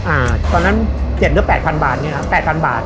อ่าตอนนั้น๗๐๐๐หรือ๘๐๐๐บาทนี่นะ๘๐๐๐บาท